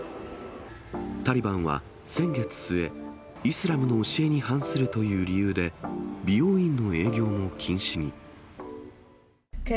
タリバンは先月末、イスラムの教えに反するという理由で、美容院の営業も禁止に。